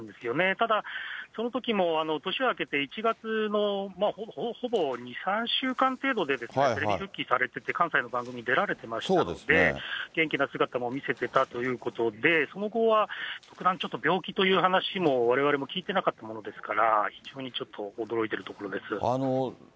ただ、そのときも年を明けて１月のほぼ２、３週間程度でテレビ復帰されてて、関西の番組に出られていましたので、元気な姿も見せてたということで、その後は、ちょっと特段、ちょっと病気という話もわれわれも聞いてなかったものですから、非常にちょっと、驚いてるところです。